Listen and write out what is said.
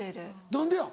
何でや？